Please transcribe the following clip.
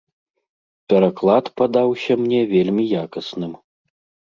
Пераклад падаўся мне вельмі якасным.